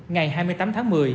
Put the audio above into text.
ngày hai mươi tám tháng một mươi